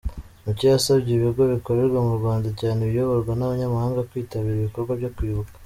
Mucyo yasabye ibigo bikorera mu Rwanda cyane ibiyoborwa n’Abanyamahanga, kwitabira ibikorwa byo kwibuka.